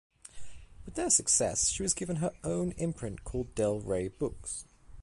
With their success, she was given her own imprint, called Del Rey Books.